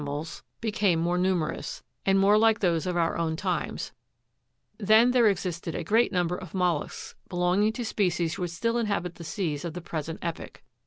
mals became more numerous, and more like those of our own times ; then there existed a great number of mollusks, belonging to species which still inhabit the seas of the present epoch.